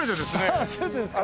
ああ初めてですか。